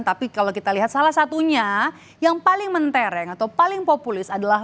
tapi kalau kita lihat salah satunya yang paling mentereng atau paling populis adalah